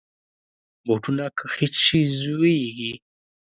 بوټونه که خیشت شي، زویږي.